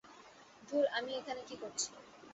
ধুর, আমি এখানে কি করছি?